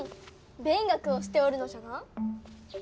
勉学をしておるのじゃな。